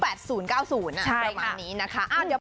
แม่ร้อนลุ้นอยู่ว่าจะตอบว่าอยากเป็นนักบอส